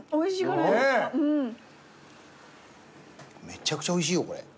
めちゃくちゃおいしいよこれ。